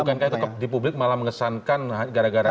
bukankah di publik malah mengesankan gara gara ini